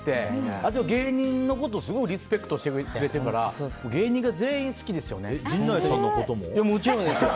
あと、芸人のことをすごいリスペクトしてくれてるから陣内さんのことも？